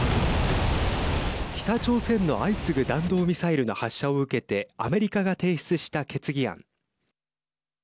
北朝鮮の相次ぐ弾道ミサイルの発射を受けてアメリカが提出した決議案。